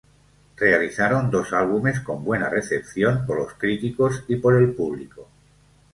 Realizaron dos álbumes con buena recepción por los críticos y por el público.